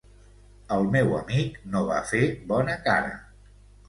El meu amic no va fer bona cara.